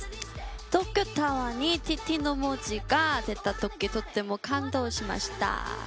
東京タワーに「ＴＴ」のポーズが出たときとっても感動しました。